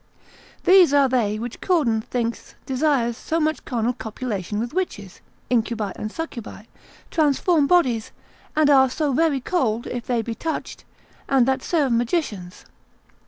These are they which Cardan thinks desire so much carnal copulation with witches (Incubi and Succubi), transform bodies, and are so very cold, if they be touched; and that serve magicians.